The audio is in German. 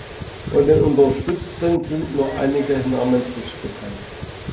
Von den Unterstützten sind nur einige namentlich bekannt.